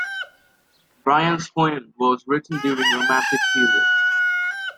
Byron's poem was written during the Romantic period.